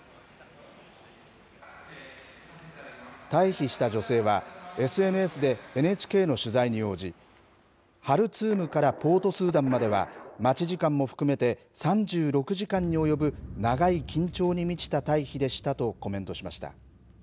退避した女性は、ＳＮＳでＮＨＫの取材に応じ、ハルツームからポートスーダンまでは、待ち時間も含めて３６時間に及ぶ長い緊張に満ちた退避でしたとコメントしました。